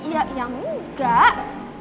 ya ya ya enggak